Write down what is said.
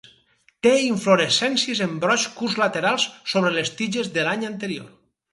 Té inflorescències en brots curts laterals sobre les tiges de l'any anterior.